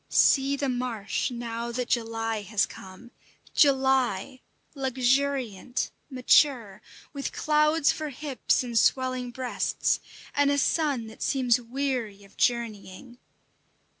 See the marsh now that July has come! July, luxuriant, mature, with clouds for hips and swelling breasts, and a sun that seems weary of journeying.